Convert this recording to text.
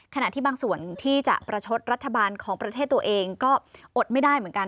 ขณะที่บางส่วนที่จะประชดรัฐบาลของประเทศตัวเองก็อดไม่ได้เหมือนกัน